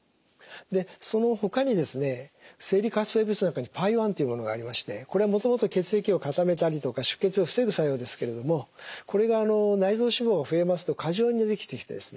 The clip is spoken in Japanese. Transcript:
そのほかにですね生理活性物質の中にＰＡＩ−１というものがありましてこれはもともと血液を固めたりとか出血を防ぐ作用ですけれどもこれが内臓脂肪が増えますと過剰にできてきてですね